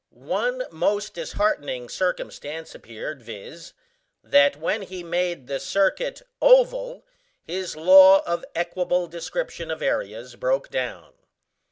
One most disheartening circumstance appeared, viz. that when he made the circuit oval his law of equable description of areas broke down.